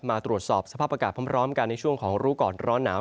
มาตรวจสอบสภาพอากาศพร้อมกันในช่วงของรู้ก่อนร้อนหนาว